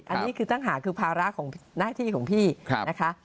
อันนี้คือตั้งหาคือภาระของหน้าที่ของพี่นะคะ